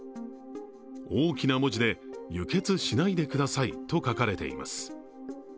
大きな「文字で輸血しないでください」と書かれています。